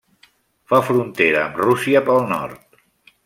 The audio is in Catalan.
Fa frontera amb Rússia pel nord.